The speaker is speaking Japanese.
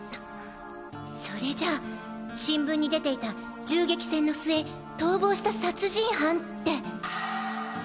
それじゃあ新聞に出ていた銃撃戦の末逃亡した殺人犯って。